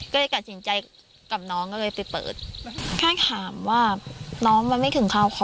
ก็เลยตัดสินใจกับน้องก็เลยไปเปิดแค่ถามว่าน้องมันไม่ถึงคาวคอ